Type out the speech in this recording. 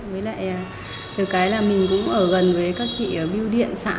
với lại được cái là mình cũng ở gần với các chị ở biêu điện xã